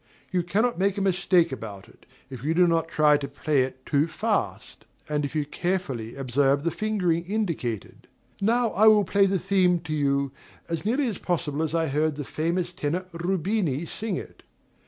You cannot make a mistake about it, if you do not try to play it too fast, and if you carefully observe the fingering indicated. Now I will play the theme to you, as nearly as possible as I heard the famous tenor Rubini sing it.